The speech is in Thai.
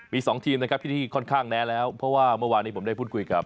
มีสองทีมที่ค่อนข้างแน้นแล้วเพราะว่าเมื่อวานี้ผมได้พูดคุยกับ